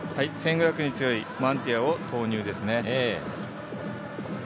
１５００に強いマンティアを投入ですね。